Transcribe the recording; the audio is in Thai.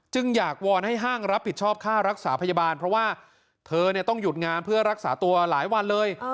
อยากวอนให้ห้างรับผิดชอบค่ารักษาพยาบาลเพราะว่าเธอต้องหยุดงานเพื่อรักษาตัวหลายวันเลย